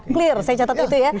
clear saya catat itu ya